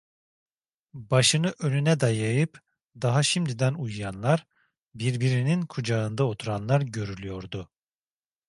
Başını önüne dayayıp daha şimdiden uyuyanlar, birbirinin kucağında oturanlar görülüyordu.